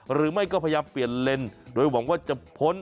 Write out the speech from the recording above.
หรือไม่ก็พยายามเปลี่ยนเลนส์โดยหวังว่าจะพ้น